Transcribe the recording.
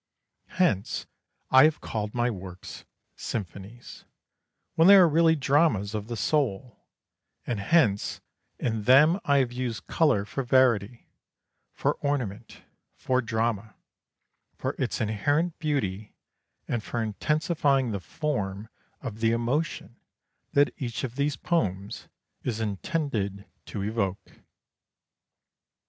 Hence, I have called my works "Symphonies," when they are really dramas of the soul, and hence, in them I have used colour for verity, for ornament, for drama, for its inherent beauty, and for intensifying the form of the emotion that each of these poems is intended to evoke.